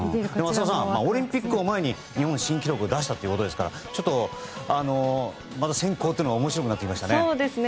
浅尾さんオリンピックを前に日本新記録を出したということですからまた選考が面白くなってきましたね。